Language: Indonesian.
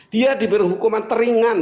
dia diberi hukuman teringan